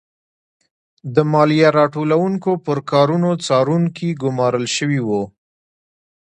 د مالیه راټولوونکو پر کارونو څارونکي ګورمال شوي وو.